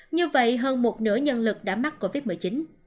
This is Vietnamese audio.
như vậy hơn một nửa nhân lực đã mắc covid một mươi chín